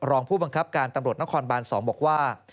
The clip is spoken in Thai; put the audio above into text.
รองผู้บังคับการตำรวจนครบาน๒บอกว่า